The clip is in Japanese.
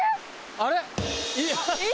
あれ！